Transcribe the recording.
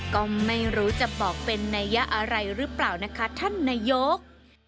ก็ไม่รู้จะบอกเป็นนัยยะอะไรหรือเปล่านะคะท่านนายก